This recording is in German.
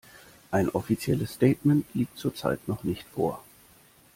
Ein offizielles Statement liegt zurzeit noch nicht vor.